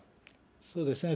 そうですね。